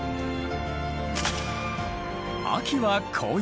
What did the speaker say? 秋は紅葉。